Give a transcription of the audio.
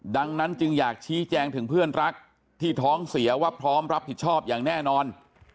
ดังนั้นจึงอยากชี้แจงถึงเพื่อนรักที่ท้องเสียว่าพร้อมรับผิดชอบอย่างแน่นอน